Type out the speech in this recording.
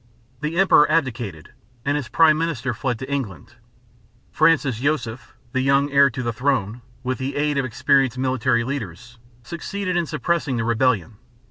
The emperor abdicated and his prime minister fled to England. Francis Joseph, the young heir to the throne, with the aid of experienced military leaders succeeded in suppressing the rebellion.